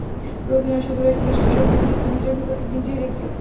রোগী যেন সুদূর এক দৃষ্টিশক্তি নিয়ে নিজের ভেতরটা নিজেই দেখছে।